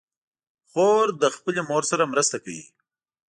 خور له خپلې مور سره مرسته کوي.